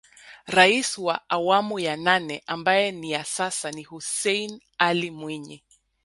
Rais wa awamu ya nane ambaye ni ya sasa ni Hussein Ally Mwinyi